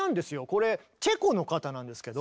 これチェコの方なんですけど。